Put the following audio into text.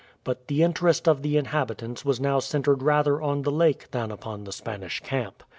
But the interest of the inhabitants was now centred rather on the lake than upon the Spanish camp.